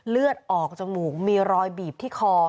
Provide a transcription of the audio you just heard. เลือดออกจมูกมีรอยบีบที่คอ